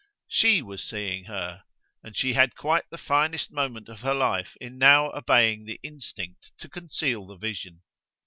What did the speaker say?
SHE was seeing her, and she had quite the finest moment of her life in now obeying the instinct to conceal the vision.